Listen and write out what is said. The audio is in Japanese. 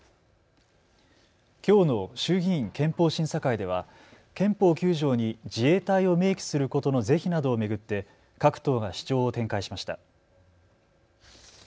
きょうの衆議院憲法審査会では憲法９条に自衛隊を明記することの是非などを巡って各党が主張を展開しました。